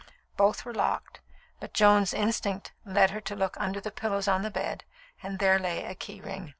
Both were locked, but Joan's instinct led her to look under the pillows on the bed, and there lay a key ring.